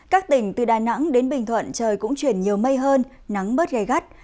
các tỉnh từ đà nẵng đến bình thuận trời cũng chuyển nhiều mây hơn nắng bớt gai gắt